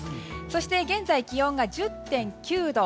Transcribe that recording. そして現在気温が１０．９度。